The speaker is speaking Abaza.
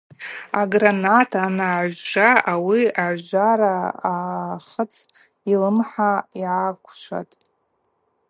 Аграната ангӏагӏвжва ауи агӏвжвара аххыцӏ йлымхӏа йгӏаквшватӏ.